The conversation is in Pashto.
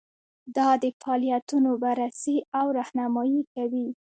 دا د فعالیتونو بررسي او رهنمایي کوي.